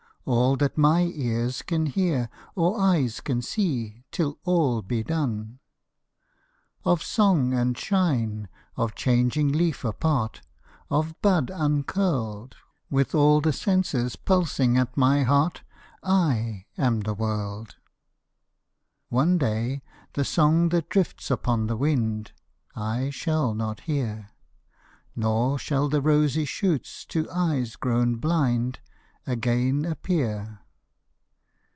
All that my ears can hear, or eyes can see, Till all be done. Of song and shine, of changing leaf apart, Of bud uncurled: With all the senses pulsing at my heart, I am the world. One day the song that drifts upon the wind, I shall not hear; Nor shall the rosy shoots to eyes grown blind Again appear.